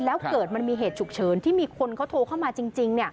แล้วเกิดมันมีเหตุฉุกเฉินที่มีคนเขาโทรเข้ามาจริง